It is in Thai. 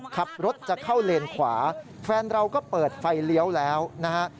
ขับรถจะเข้าเลนขวาแฟนเราก็เปิดไฟเลี้ยวแล้วนะฮะ